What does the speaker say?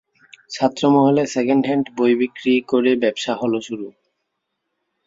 ছাত্রমহলে second hand বই বিক্রি করে ব্যাবসা হল শুরু।